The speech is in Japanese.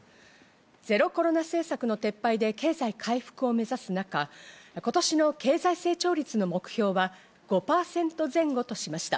ゼロコロナ政策の撤廃で経済回復を目指す中、今年の経済成長率の目標は５％前後としました。